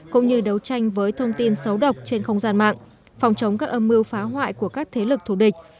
cũng như đấu tranh với thông tin xấu độc trên không gian mạng phòng chống các âm mưu phá hoại của các thế lực thủ địch